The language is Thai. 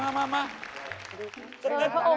เออมาใครเช็คเด้งเมื่อกี้มา